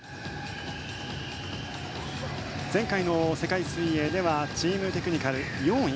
前回の世界水泳ではチームテクニカル４位。